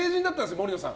杜野さん。